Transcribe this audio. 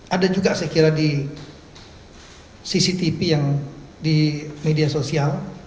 ada juga saya kira di cctv yang di media sosial